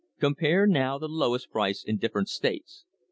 Compare, now, the lowest price in different states.